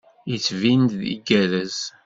Yettbin-d igerrez.